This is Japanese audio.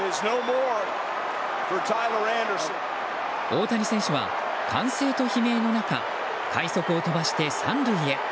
大谷選手は歓声と悲鳴の中快足を飛ばして３塁へ。